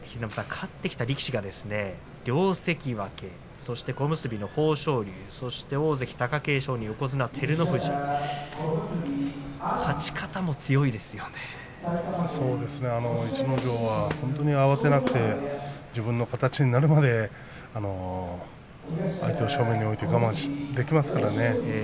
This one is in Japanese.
勝ってきた力士が両関脇そして小結の豊昇龍、そして大関貴景勝に横綱照ノ富士逸ノ城は本当に慌てなくて自分の形になるまで相手を正面に置いて我慢できますからね。